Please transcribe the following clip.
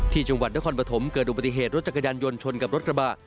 ที่จังหวัดนครปฐมเกิดอุบัติเหตุรถจักรยานยนต์ชนกับรถกระบะ